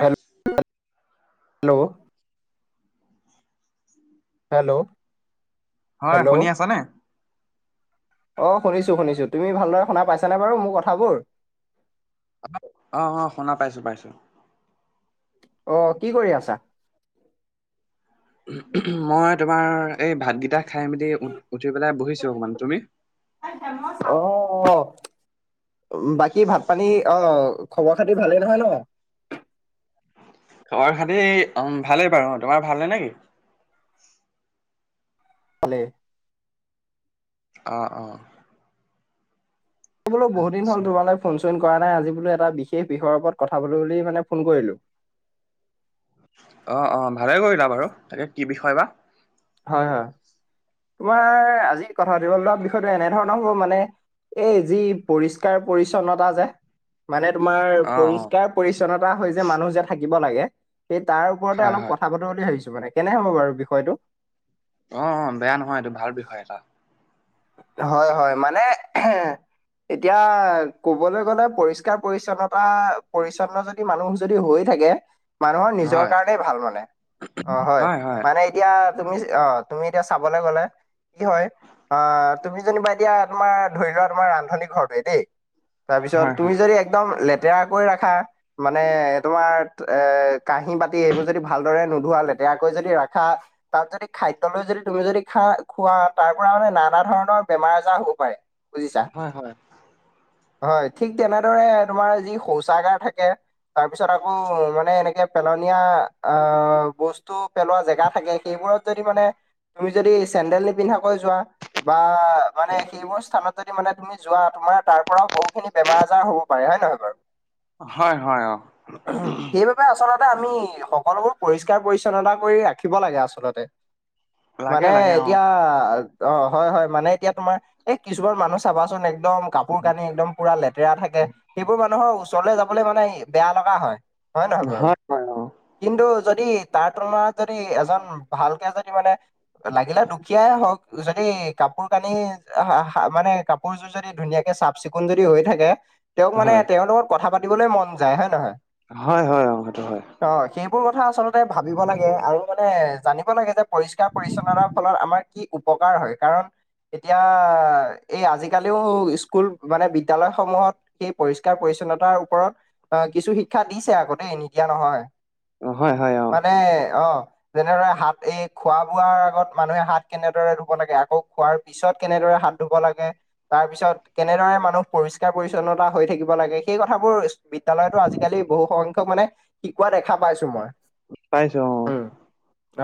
Hello, hello, hello, হয়, hello শুনি আছানে? অ, শুনিছো-শুনিছো তুমি ভালদৰে শুনা পাইছানে বাৰু মোৰ কথাবোৰ? অ, অ, অ, শুনা পাইছো-পাইছো। অ, কি কৰি আছা? মই তোমাৰ এই ভাতকেইটা খাই মেলি উ, উঠি পেলাই বহিছোঁ অকণমান। তুমি? অ, বাকী ভাত পানী অ, খবৰ খাতিৰ ভালেই নহয় ন? খবৰ খাতি ভালেই বাৰু। তোমাৰ ভালনে নে কি? ভালেই। অ, অ, এই বোলো বহু দিন হ'ল আচ্ছা। তোমাল ফোন চোন কৰা নাই, আজি বোলো এটা বিশেষ বিষযৰ ওপৰত কথা পাতো বুলি মানে ফোন কৰিলো? অ, অঁ, ভালে কৰিলা বাৰু তাকে কি বিষয় বা? হয়-হয়। তোমাৰ আজি কথা পাতিব লোৱা বিষয়টো এনেধৰণৰ হ'ব মানে। এই যি পৰিষ্কাৰ পৰিচ্ছন্নতা যে মানে তোমাৰ অ', অ', পৰিষ্কাৰ পৰি্ছন্নতা হৈ যে মানুহ যে থাকিব লাগে। সেই তাৰ ওৰতে হয় অলপ হয়। কথা প পটো বুলি ভাবিছো মানে কেনে হ'ব বাৰু বিষয়টো? অ, ' অ, ' বেয়া নহয় এইটো ভাল বিষয় এটা। হয়-হয় মানে, এতিয়া কবলে গ'লে পৰিষ্কাৰ পৰিছন্নতা-পৰিছন্নতা, মানুহ যদি হৈ থাকে মানুহৰ নিজৰ হয়, কাৰণেই ভাল মানে, অ, হয়। মানে এতিয়া, তুমি অ' তুমি এতিয়া চাবলে গলে কি হয়। অ' তুমি যেনিবা এতিয়া তোমাৰ ধৰি লোৱা তোমাৰ ৰান্ধনী ঘৰটোৱে দেই। তাৰপিছত হয় হয়। তুমি যদি একদম লেতেৰাকৈ ৰাখা মানে তোমাৰ এ, কাঁহী-বাতি সেইবোৰ যদি ভালদৰে নোধোৱ, লেতেৰাকে যদি ৰাখা। তাত যদি খাদ্য লৈ যদি তুমি যদি খা খোৱা তাৰ পৰা মানে, নানা ধৰণৰ বেমাৰ আজাৰ হ'ব পাৰে বুজিছা। হয়-হয়। হয়, ঠিক তেনেদৰে তোমাৰ যি শৌচাগাৰ থাকে। তাৰ পিছত, আকৌ' মানে এনেকে পেলনীয়া অ, বস্তু পেলোৱা জেগা থাকে। সেইবোৰত যদি, মানে তুমি যদি চেণ্ডেল নিপিন্ধাকে যোৱা বা মানে সেইবোৰ স্থানত। যদি মানে তুমি যোৱা তোমাৰ তাৰ পৰাও বহুখিনি বেমাৰ আজৰ হব পাৰে, হয় নহয় বাৰু। হয়, হয়। অ', সেইবাবে আচলতে আমি সকলোবোৰ পৰিষ্কাৰ-পৰিচ্ছন্নতা কৰি ৰাখিব লাগে। আচলতে, লাগে মানে, লাগে অ'। এতিয়া অ' হয়-হয় মানে এতিয়া তোমাৰ, এ, কিছুমান মানুহ চাবাচোন একদম কাপোৰ-কানি একদম পুৰা লেতেৰা। লেতেৰা থাকে সেইবোৰ মানুহৰ ওচৰলে যাবলে মানে বেয়া লগা। হয় নে নহয় বাৰু, হয় হয় অ'। কিন্তু, যদি তাৰ তুলাত যদি এজন ভালকে যদি মানে, লাগিলে দুখীয়াই হওক। যদি যদি, কাপোৰ কানি মানে কাপোৰযোৰ যদি ধুনীয়াকে চাফ চিকুণ যদি হৈ থাকে। তেওঁক মানে হয়। তেওঁৰ লগত কথা পাতিবলে মন যায় হয় নহয়। হয়-হয় অ' সেইটো হয়। অ' সেইবোৰ কথা আচলতে ভাবিব লাগে। আৰু মানে জানিব লাগে যে, পৰিষ্কাৰ-পৰিচ্ছন্নতাৰ ফলত আমাৰ কি উপকাৰ হয়। কাৰণ এতিয়া, এই আজিকালিও স্কুল মানে বিদ্যালয়সমূহত। সেই পৰিষ্কাৰ-পৰিছন্নতাৰ ওপৰত আহ' কিছু শিক্ষা দিছে আকৌ দে নিদিয়া নহয়। অ হয় হয় অ', মানে অ', যেনেদৰে হাত, এই খোৱা বোৱাৰ আগত মানুহে হাত কেনেদৰে, লাগে আকৌ' খোৱাৰ পিছত কেনেদৰে হাত ধুব লাগে। তাৰ পিছত কেনেদৰে মানুহ পৰিষ্কাৰ-পৰিছন্নতা হৈ থাকিব লাগে। সেই কথাবোৰ, বিদ্যালয়তো আজিকালি বহু সংখ্যক মানে শিকোৱা দেখা পাইছোঁ। মই, শিকাইছোঁ। অ',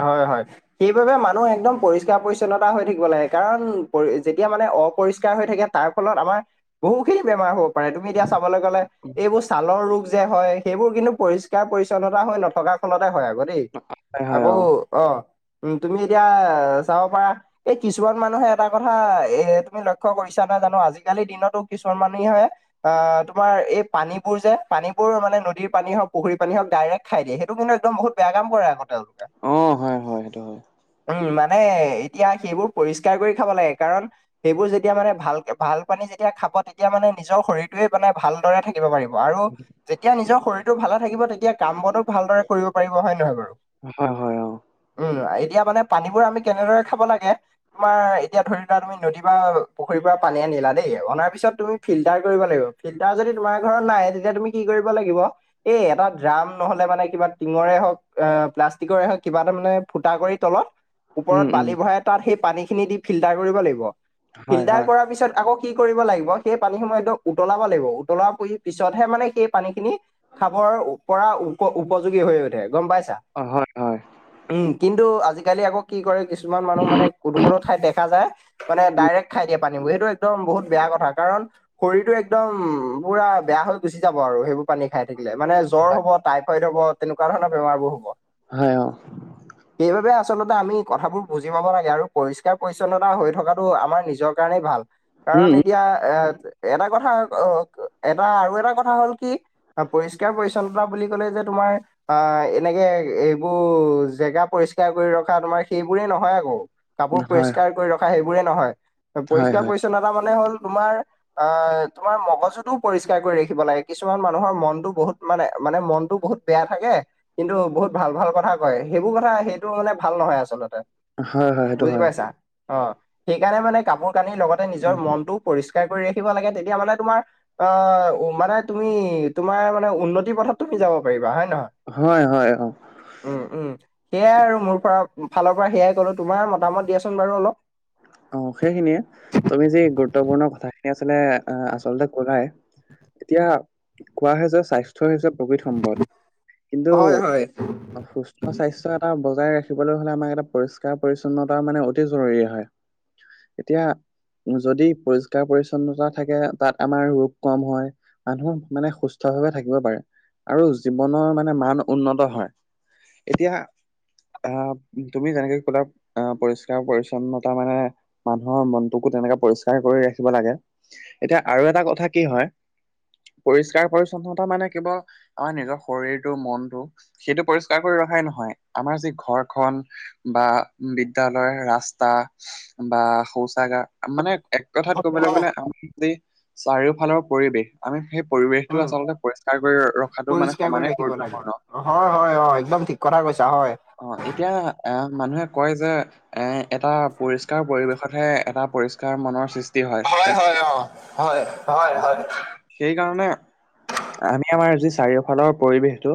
হয়-হয় সেইবাবে মানুহ একদম পৰিষ্কাৰ-পৰিচ্ছন্নতা, পৰিছন্নতা হৈ থাকিব লাগে। কাৰণ পৰি যেতিয়া মানে অপৰিষ্কাৰ হৈ থাকে তাৰ ফলত আমাৰ, বহু খিনি বেমাৰ হব পাৰে। তুমি এতিয়া চাবলৈ গলে এইবোৰ ছালৰ ৰোগ, যে হয়, সেইবোৰ কিন্তু পৰিষ্কাৰ-পৰিচ্ছন্নতা হৈ নথকা ফলতে হয় আৰু। হ'ব দেই, হয় হয় আকৌ অ' উ তুমি এতিয়া চাব পাৰা। এই, কিছুমান মানুহে এটা কথা এ তুমি লক্ষ্য কৰিছা নাই জানোঁ। আজিকালি দিনতো কিছুমান মানুহে, অ' তোমাৰ এই পানীবোৰ যে পানীবোৰ মানে নদীৰ পানী হওক পুখুৰীৰ পানী হওক ডাইৰেক্ট খাই দিয়ে। সেইটো একদম বহুত বেয়া কাম কৰে আকৌ তেওঁলোকে। অ' হয়-হয় সেইটো হয়। উম' মানে এতিয়া সেইবোৰ পৰিষ্কাৰ কৰি খাব লাগে। কাৰণ সেইবোৰ যেতিয়া মানে ভাল, ভাল পানী যেতিয়া খাব। তেতিয়া মানে নিজৰ শৰীৰটো মানে ভালদৰে থাকে। থাকিব পাৰিব আৰু যেতিয়া নিজৰ শৰীৰটো ভালে থাকিব। তেতিয়া কাম বনো ভালদৰে কৰিব পাৰিব। হয় নহয় বাৰু, হয়-হয়-হয়। উম, এতিয়া মানে পানীবোৰ আমি কেনেদৰে খাব লাগে। তোমাৰ এতিয়া ধৰি লোৱা, তুমি নদী বা পুখুৰীৰ পৰা পানী আনিলা। দেই অনাৰ পিছত তুমি ফিল্টাৰ কৰিব লাগিব। ফিল্টাৰ যদি তোমাৰ ঘৰত নাই। তেতিয়া তুমি কি কৰিব লাগিব? এই এটা ড্ৰাম নহ'লে মানে কিবা টিঙৰে হওক এ প্লাষ্টিকৰে হওক কিবা এটা মানে ফুটা কৰি তলত, ওপৰত উম, উম, বালি তাত সেই পানী খিনি দি ফিল্টাৰ লাগিব। হয়, ফিল্টাৰ হয়। কৰাৰ পিছত আকৌ কি কৰিব লাগিব, সেই পানীসমূহ একদম উতলাব লাগিব। উতলাৰ পি পিছতহে মানে সেই পানীখিনি খাবৰ পৰা উপ-উপযোগী হৈ উঠে গম পাইছা। অ', হয়-হয়। উম, কিন্তু আজিকালি আকৌ কি কৰে কিছু কিছুমান মানুহ মানে কোনো-কোনো ঠাইত দেখা যায় মানে উম, ডাইৰেক খাই দিয়ে। পানীবোৰ হেইটো একদম বহুত বেয়া কথা কাৰণ শৰীৰটো একদম পুৰা বেয়া হৈ গুচি যাব আৰু সেইবোৰ। পানী খাই থাকিলে মানে জ্বৰ হ'ব, টাইফইড হ'ব, তেনেকুৱা ধৰণৰ বেমাৰবোৰ হ'ব। হয়। অ', সেইবাবে আচলতে আমি কথাবোৰ বুজি পাব লাগে আৰু পৰিষ্কাৰ পৰিচ্ছন্নতা হৈ থকাটো আমাৰ নিজৰ কাৰণেই ভাল উম, কাৰণ এই এতিয়া এ এটা কথা অ', এটা আৰু এটা কথা হ'ল কি আৰু পৰিষ্কাৰ পৰিচ্ছন্নতা বুলি ক'লেই যে তোমাৰ অ', এনেকে এইবোৰ জেগা পৰিষ্কাৰ কৰি ৰখা তোমাৰ সেই বোৰেই নহয় আকৌ কাপোৰ উম, হয়, পৰিষ্কাৰ কৰি ৰখা সেইবোৰে নহয় হয়, পৰিষ্কাৰ হয়। পৰিছন্নতা মানে হ'ল তোমাৰ অ', তোমাৰ মগজুটোও পৰিষ্কাৰ কৰি ৰাখিব লাগে, কিছুমান মানুহৰ মনটো বহুত মানে, মানে মনটো বহুত বেয়া থাকে কিন্তু বহুত ভাল ভাল কথা কয়, সেইবোৰ কথা সেইটো মানে ভাল নহয় আচলতে। হয়, হয়। সেইটো বুজি হয়। পাইছা অ', সেইকাৰণে মানে কাপোৰ কানিৰ লগতে নিজৰ উম, মনটো পৰিষ্কাৰ কৰি ৰাখিব লাগে তেতিয়া মানে তোমাৰ অ', মানে তুমি তোমাৰ মানে উন্নতি পথত তুমি যাব পাৰিবা হয় নহয় হয়, হয়, অ'। উ, উ সেয়া আৰু মোৰ পৰা ফালত পৰা সেয়াই কলো তোমাৰ মতামত দিয়াচোন বাৰু অলপ। অ', সেইখিনিয়ে তুমি যি গুৰুত্বপূৰ্ণ কথাখিনি আচলে আচলতে ক'লাই এতিয়া কোৱা হয় যে স্বাস্থ্য হৈছে প্ৰকৃত সম্পদ। কিন্তু হয় হয় অ', সুস্থ স্বাস্থ্য এটা বজাই ৰাখিবলৈ হ'লে আমাক এটা পৰিষ্কাৰ পৰিচ্ছন্নতা মানে অতি জৰুৰী হয়। এতিয়া যদি পৰিষ্কাৰ পৰিচ্ছন্নতা থাকে তাত আমাৰ ৰোগ কম হয়। মানুহ মানে সুস্থ ভাৱে থাকিব পাৰে আৰু জীৱনৰ মানে মান উন্নত হয়। এতিয়া আ তুমি যেনেকে ক'লা, আ পৰিষ্কাৰ পৰিচ্ছন্ন তাৰ মানে মানুহৰ মনটোকো তেনেকে পৰিষ্কাৰে কৰি ৰাখিব লাগে এতিয়া আৰু এটা কথা কি হয় পৰিষ্কাৰ পৰিচ্ছন্নতা মানে কেৱল আমাৰ নিজৰ শৰীৰটো মনটো সেইটো পৰিষ্কাৰ কৰি ৰখাই নহয় আমাৰ যি ঘৰখন বা বিদ্যালয়ৰ ৰাস্তা বা শৌচাগাৰ মানে এক কথাত ক'বলৈ গ'লে [unintelligible] চাৰিওফালৰ পৰিৱেশ আমি সেই পৰিৱেশটো উম আচলতে পৰিষ্কাৰ কৰি ৰখাটো মানে পৰিষ্কাৰ কৰি সমানে ৰাখিব গুৰুত্ব লাগে হয়, হয়, হয় একদম ঠিক কথা কৈছা হয়। অ', এতিয়া এ মানুহে কয় যে এ এটা পৰিস্কাৰ পৰিৱেশতহে এটা পৰিস্কাৰ মনৰ সৃষ্টি হয়। হয়, অ', হয়, হয়, অ' হয়। সেইকাৰণে আমি আমাৰ যি চাৰিওফালৰ পৰিৱেশটো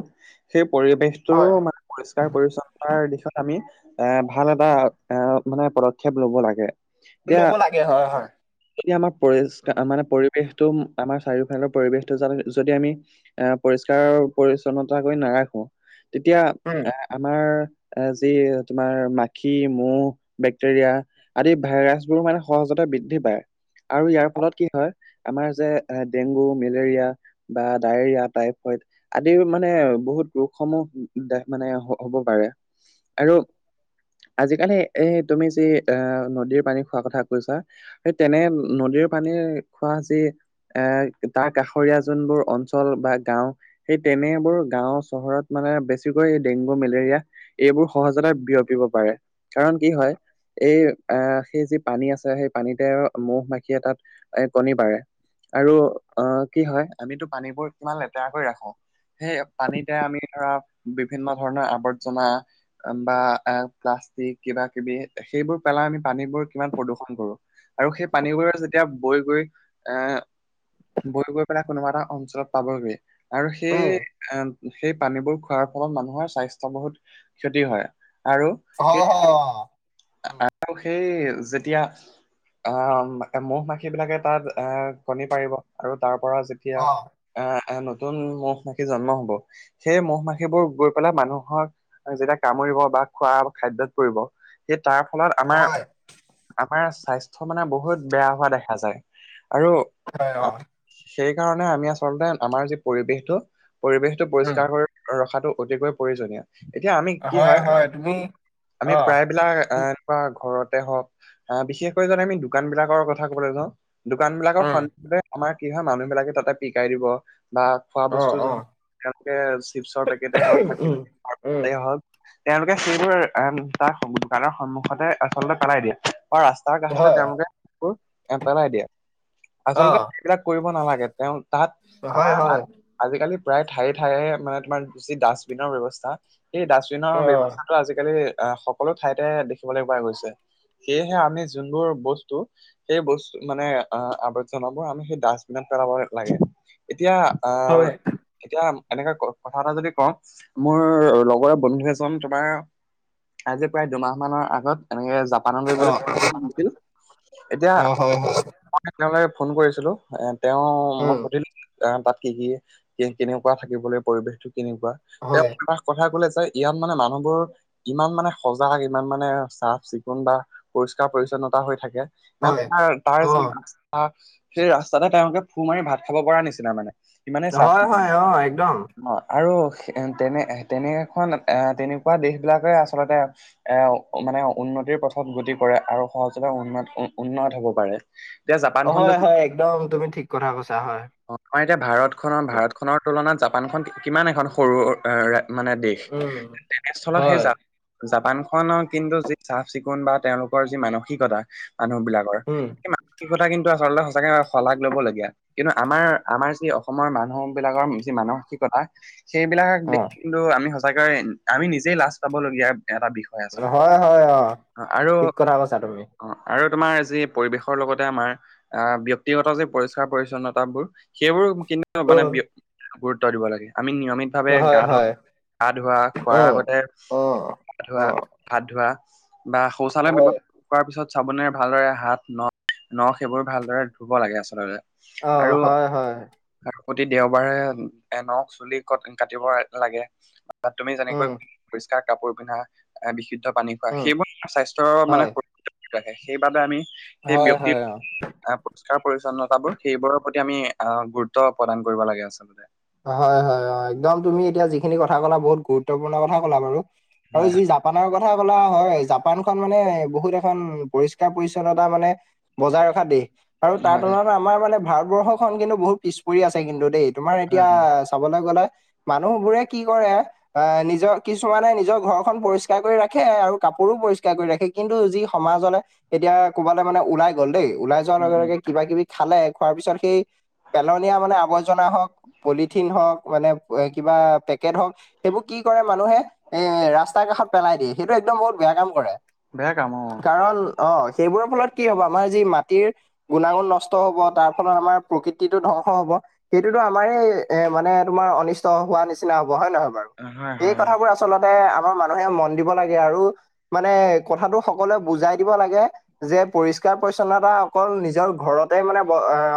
সেই পৰিৱেশ তোৰ হয় মানে পৰিষ্কাৰ পৰিচ্ছন্নতাৰ দিশত আমি এ ভাল এটা এ মানে পদক্ষেপ ল'ব লাগে এতিয়া ল'ব লাগে হয়, হয়। যদি আমাৰ পৰি উম মানে পৰিৱেশটো আমাৰ চাৰিওফালৰ পৰিৱেশটো যদি আমি এ পৰিষ্কাৰ পৰিচ্ছন্নতা কৰি নাৰাখো তেতিয়া উম। এ আমাৰ যি তোমাৰ মাখি মৌ বেক্টেৰিয়া আদি ভাইৰাছ বোৰ মানে সহজতে বৃদ্ধি পায়। আৰু ইয়াৰ ফলত কি হয় আমাৰ যে ডেংগু মেলেৰিয়া বা ডায়েৰিয়া টাইফইড আদিৰ মানে বহুত ৰোগসমূহ দে মানে হ'ব পাৰে আৰু আজিকালি এ তুমি যি আহ নদীৰ পানী খোৱাৰ কথা কৈছা সেই তেনে নদীৰ পানী খোৱা যি এ তাৰ কাষৰীয়া যোনবোৰ অঞ্চল বা গাঁও সেই তেনেবোৰ গাঁও চহৰত মানে বেছিকৈ ডেংগু মেলেৰিয়া এইবোৰ সহজতে বিয়পিব পাৰে। কাৰণ কি হয় এই আহ সেই যি পানী আছে সেই পানীতে ম'হ মাখিয়ে তাত এ কণী পাৰে। আৰু অ' কি হয় আমিতো পানীবোৰ কিমান লেতেৰা কৰি ৰাখো সেই পানীতে আমি ধৰা বিভিন্ন ধৰণৰ আৱৰ্জনা বা প্লাষ্টিক কিবা কিবি সেইবোৰ পেলাই আমি পানীবোৰ কিমান প্ৰদূষন কৰো। আৰু সেই পানীবোৰে যেতিয়া বৈ গৈ এ বৈ গৈ পেলাই কোনোবা এটা অঞ্চলত পাবগে আৰু উম সেই সেই পানীবোৰ খোৱাৰ ফলত মানুহৰ স্বাস্থ বহুত ক্ষতি হয়। আৰু সেই হয়, হয়। আৰু সেই যেতিয়া আহ ম'হ মাখিব বিলাকে তাত এ কণী পাৰিব। আৰু তাৰ পৰা যেতিয়া অ', আহ এ নতুন ম'হ মাখি জন্ম হ'ব। সেই ম'হ মাখিবোৰ গৈ পেলাই মানুহৰ যেতিয়া কামুৰিব বা খোৱা খাদ্যত পৰিব সে তাৰ ফলত আমাৰ হয়, আমাৰ স্বাস্থ্য মানে বহুত বেয়া হোৱা দেখা যায়। আৰু হয়, অ', সেই কাৰণে আমি আচলতে আমাৰ যি পৰিৱেশটো পৰিৱেশটো উম, পৰিষ্কাৰ কৰি ৰখাটো অতিকৈ প্ৰয়োজনীয়। এতিয়া আমি কি হয় আমি অ', প্ৰায় বিলাক এ উম, একুৱা ঘৰতে হওঁক আহ বিশেষকৈ তাত আমি দোকান বিলাকৰ কথা কবলৈ যাওঁ। দোকান বিলাকৰ উম, ফ্ৰন্ততে আমাৰ কি হয় মানুহ বিলাকে তাতে পিকাই দিব। বা খোৱা বস্তু অ', অ', যেনেকে চিপছৰ পেকেট হওঁক বা উম, কিবা অন্য উম, পেকেত হওঁক তেওঁলোকে সেইবোৰ এ তাৰ দোকানৰ সন্মুখতে আচলতে পেলাই দিয়ে। বা ৰাস্ত তাৰ কষাতে হয়, তেওঁলোকে সেইবোৰ এ পেলাই দিয়ে। আচলতে অ', সইবিলাক কৰিব নালাগে, তেওঁ তাত হয়, হয়, আমাৰ আজিকালি প্ৰায় ঠায়ে ঠায়ে মানে তোমাৰ যি ডাষ্টবিনৰ ব্যয়ৱস্থা, সেই ডাষ্টবিনৰ অ', ব্যৱস্থা টো আজিকালি আহ সকলো ঠাইতে দেখিবলৈ পোৱা গৈছে। সেয়েহে আমি যোনবোৰ বস্তু সেই বস্তু মানে আৱৰ্জনাবোৰ আমি সেই ডাষ্টবিনত পেলাব লাগে। এতিয়া হয়, আৰু এতিয়া এনেকে কথা এটা যদি কওঁ মোৰ লগৰে বন্ধু এজন তোমাৰ আজি প্ৰায় দুমাহ মানৰ আগত এনেকে জাপানলৈ বুলি অ', ফুৰিবলৈ গৈছিল এতিয়া অ', হয়, হয়, মই তেওঁলে ফোন কৰিছিলো এ তেওঁ মই উম, সুধিলো আহ তাত কি কি কেনেকুৱা থাকিব লাগ পৰিৱেশটো হয়, কেনেকুৱা কথা ক'লে চাই ইমান মানে মানুহবোৰ ইমান মানে সজাগ ইমান মানে চাফ চিকুণ বা পৰিষ্কাৰ পৰি্ছন্নতা হৈ থাকে হয়। মানে তাৰ য অ', আহ সেই ৰাস্তাতে তেওঁলোকে ফু মাৰি ভাত খাব পৰা নিচিনা মানে। সিমানে চাফ হয়, চিকুন। হয়, অ', একদম, আৰু তেনে তেনেএখন তেনেকুৱা দেশবিলাকে আচলতে এ মানে উন্নতিৰ পথত গতি কৰে আৰু সহজতে উন্নত উ উন্নত হ'ব পাৰে। এতিয়া অ' জাপানখনতো হয়, হয় একদম তুমি ঠিক কথা কৈছা, হয়। অ, আমাৰ এতিয়া ভাৰত খনত ভাৰত খনৰ তুলনাত জাপানখন কিমান এখন সৰু মানে দেশ উম, তেনেস্থলত হয়, সেই জাপান খনৰ কিন্তু যি চাফ চিকুণ বা তেওঁলোকৰ যি মানসিকতা, মানুহ বিলাক হৰ উম, সেই মানসিকতা কিন্তু আচলতে সঁচাকে শলাগ লবলগীয়া। কিন্তু আমাৰ আমাৰ যি অসমৰ মানুহ বিলাকৰ যি মানসিকতা সেইবিলাক অ', দেখি কিন্তু আমি সঁচাকৈয় আমি নিজেই লাজ পাবলগীয়া এটা বিষয়। আচলতে। হয়, হয়, অ' আৰু ঠিক কথা কৈছা তুমি। অ' আৰু তোমাৰ যি পৰিৱেশৰ লগতে আমাৰ আহ ব্যক্তিগত যে পৰিষ্কাৰ পৰিছন্নতাবোৰ, সেইবোৰ কিন্তু ন মানে অ', [unintelligible] গুৰুত্ব দিব লাগে। আমি নিয়মিত ভাৱে হয়, গা ধো হয়। গা ধোৱা, খোৱাৰ আগতে অ'। ধোৱা, হাত ধোৱা বা শৌচালয় হয়, ব্যৱহাৰ কৰা পিছত চাবনে ভালদৰে হাত, নখ, নখ সেইবোৰ ভালদৰে ধুব লাগে আচলতে। অ', আৰু হয়, হয়। প্ৰতি দেওবাৰে নখ, চুলি ক কাটিব লাগে। তাত তুমি যেনেকৈ উম, পৰিষ্কাৰ কাপোৰ পিন্ধা, এ বিশুদ্ধ পানী উম, [unintelligible] স্বাস্থ্যৰ মানে হয়, [unintelligible] ৰাখে সেইবাবে আমি সেই ব্যক্তি হয়, অ'। আহ পৰিস্কাৰ-পৰিচ্ছন্নতাবোৰ সেইবোৰৰ প্ৰতি আমি আহ গুৰুত্ব প্ৰদান কৰিব লাগে আচলতে। হয়, হয়, হয়, একদম তুমি এতিয়া যিখিনি কথা কলা বহুত গুৰুত্বপূৰ্ণ কথা কলা বাৰু, আৰু হয় যি জাপানৰ কথা কলা হয়, জাপান খন মানে বহুত এখন পৰিষ্কাৰ-পৰিচ্ছন্নতা মানে বজাই ৰখা দেশ। আৰু তাৰ হয় হয় হয় তুলনাত আমাৰ মানে ভাৰতবৰ্ষ খন কিন্তু বহুত পিছ পৰি আছে কিন্তু দেই, তোমাৰ হয় এতিয়া হয় চাবলৈ গ'লে মানুহ বোৰে কি কৰে অ', নিজৰ কিছুমানে নিজৰ ঘৰখন পৰিষ্কাৰ কৰি ৰাখে আৰু কাপোৰো পৰিষ্কাৰ কৰি ৰাখে। কিন্তু, যি সমাজলে এতিয়া ক'বালে মানে ওলাই গ'ল দেই ওলাই যোৱা উম উম লগে-লগে কিবা কিবি খালে, খোৱাৰ পিছত সেই পেলনীয়া মানে আৱৰ্জনা হওক পলিথিন হওক মানে কিবা পেকেট হওক সেইবোৰ কি কৰে মানুহে এ ৰাস্তাৰ কাষত পেলাই দিয়ে, সেইটো একদম বহুত বেয়া কাম কৰে। বেয়া কাম কাৰণ অ', সেইবোৰৰ ফলত কি হব, আমাৰ যি মাটিৰ গুণাগুণ নষ্ট হব তাৰফলত আমাৰ প্ৰকৃতিটো ধ্বংস হব, সেইটোতো আমাৰেই এ মানে তোমাৰ অনিষ্ট হোৱা নিচিনা হব, হয় নহয় বাৰু? অ হয় এই হয় অ কথাবোৰ আছ আচলতে আমাৰ মানুহে মন দিব লাগে আৰু মানে কথাটো সকলোৱে বুজাই দিব লাগে। যে পৰিষ্কাৰ-পৰিছন্নতা অকল নিজৰ ঘৰতে মানে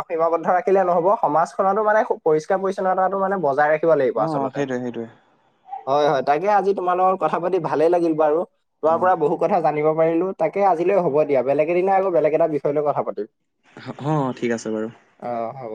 সীমাবদ্ধ ৰাখিলে নহব, সমাজ খনটো মানে পৰিষ্কাৰ-পৰিচ্ছন্নতটো মানে বজাই ৰাখিব লাগিব অ অ আচলতে। সেইটোৱে সেইটোৱে হয়, হয় তাকে আজি তোমাৰ লগত কথা পাতি ভালে লাগিল বাৰু, অ তোমাৰ পৰা বহু কথা জানিব পাৰিলো তাকে আজিলৈ হ'ব দিয়া। বেলেগ এদিনা আকৌ বেলেগ এটা বিষয় লৈ কথা পাতিম। অ', ঠিক আছে বাৰু। অ', হ'ব।